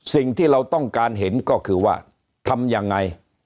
สิ่งที่เราต้องการเห็นก็คือว่าทำยังไง